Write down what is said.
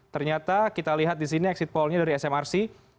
ternyata kita lihat disini exit pollnya dari smrc